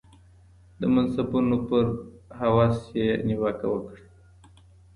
د منصبونو پر هوس یې نیوکه وکړه